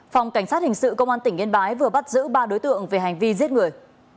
phòng cảnh sát hình sự công an tỉnh yên bái vừa bắt giữ ba đối tượng về hành vi giết người